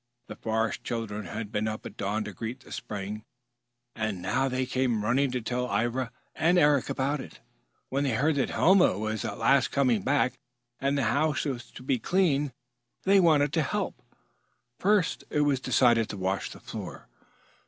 The Forest Children had been up at dawn to greet the spring, and now they came running to tell Ivra and Eric about it. When they heard that Helma was at last coming back and the house was to be cleaned they wanted to help. First it was decided to wash the floor.